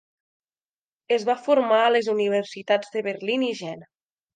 Es va formar a les universitats de Berlín i Jena.